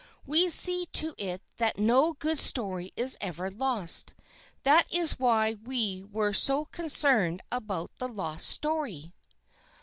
We see to it that no good story is ever lost; that is why we were so concerned about the lost story."